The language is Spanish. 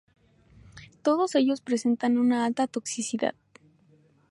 Todos ellos presentan una alta toxicidad.